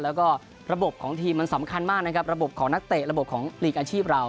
แล้วก็ระบบของทีมมันสำคัญมากนะครับระบบของนักเตะระบบของหลีกอาชีพเรา